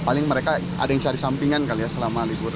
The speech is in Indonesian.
paling mereka ada yang cari sampingan kali ya selama libur